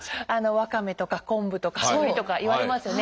ワカメとか昆布とかのりとかいわれますよね。